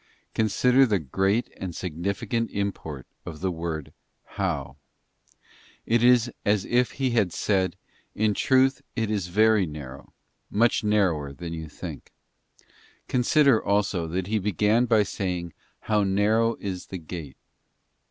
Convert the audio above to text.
* Consider the great and significant import of the word ' how.' It is as if He had said, ' In truth it is very narrow, much narrower than you think.' Consider, also, that He began by saying, ' How narrow is the gate.